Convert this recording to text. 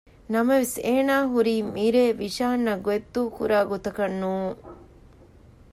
ނަމަވެސް އޭނާ ހުރީ މިރޭ ވިޝާން އަށް ގޮތް ދޫކުރާ ގޮތަކަށް ނޫން